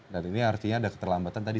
dan ini artinya ada keterlambatan tadi